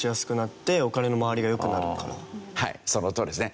はいそのとおりですね。